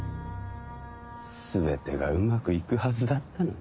全てがうまくいくはずだったのに。